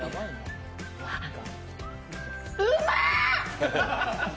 うまーっ！